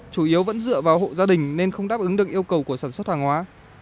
chủ yếu vẫn dựa vào hộ gia đình nên không đáp ứng được yêu cầu của sản xuất hàng hóa